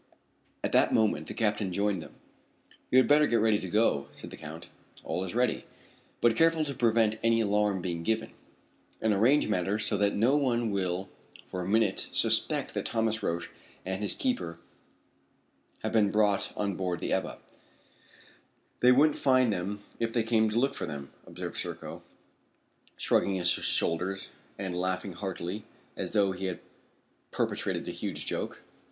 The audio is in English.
At that moment the captain joined them. "You had better get ready to go," said the Count. "All is ready." "Be careful to prevent any alarm being given, and arrange matters so that no one will for a minute suspect that Thomas Roch and his keeper have been brought on board the Ebba." "They wouldn't find them if they came to look for them," observed Serko, shrugging his shoulders and laughing heartily as though he had perpetrated a huge joke.